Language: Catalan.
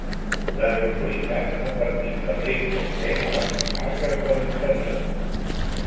Les autoritats han advertit del risc extrem a les comarques de l’interior.